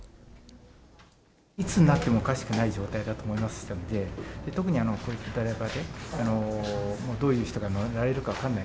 いつなってもおかしくない状況だと思いますので、特にこういった中で、どういう人が乗られるか分からない。